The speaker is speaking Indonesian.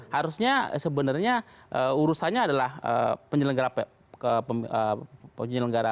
harusnya sebenarnya urusannya adalah penyelenggara